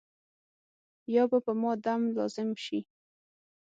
یا به په ما دم لازم شي.